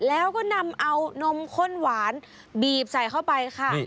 แล้วก็นำเอานมข้นหวานบีบใส่เข้าไปค่ะ